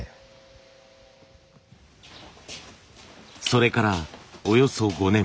それからおよそ５年。